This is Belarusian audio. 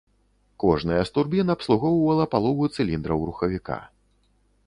Кожная з турбін абслугоўвала палову цыліндраў рухавіка.